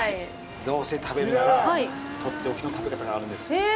どうせ食べるなら、取って置きの食べ方があるんですよ。